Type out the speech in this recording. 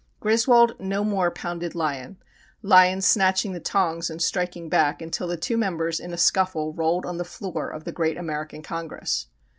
Griswold no more pounded Lyon, Lyon snatching the tongs and striking back until the two members in a scuffle rolled on the floor of the great American Congress.